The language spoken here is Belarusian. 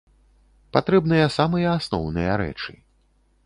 Патрэбныя самыя асноўныя рэчы.